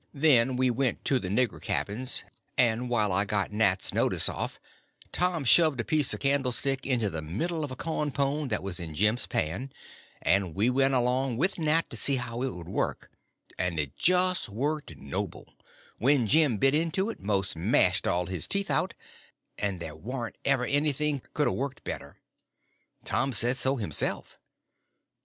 Then we went to the nigger cabins, and while I got Nat's notice off, Tom shoved a piece of candlestick into the middle of a corn pone that was in Jim's pan, and we went along with Nat to see how it would work, and it just worked noble; when Jim bit into it it most mashed all his teeth out; and there warn't ever anything could a worked better. Tom said so himself.